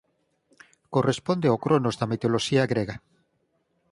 Corresponde ó Cronos da mitoloxía grega.